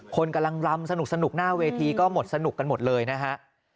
คนกำลังรำสนุกหน้าเวทีก็หมดสนุกกันหมดเลยนะฮะ